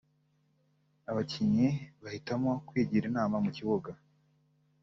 Abakinnyi bahitamo kwigira inama mu kibuga